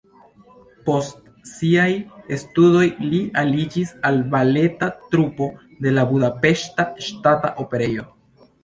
Post siaj studoj li aliĝis al baleta trupo de la Budapeŝta Ŝtata Operejo.